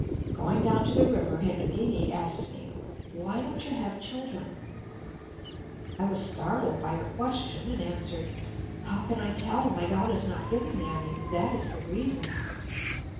Going down to the river Hemangini asked me: "Why don't you have children?" I was startled by her question, and answered: "How can I tell? My God has not given me any. That is the reason."